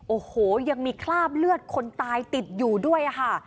โอ้โหยังมีคราบเลือดคนตายติดอยู่ด้วยค่ะ